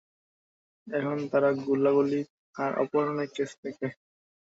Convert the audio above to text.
এখন তারা গোলাগুলি আর অপহরণের কেস দেখে।